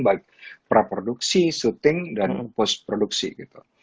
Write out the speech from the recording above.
baik praproduksi syuting dan postproduksi gitu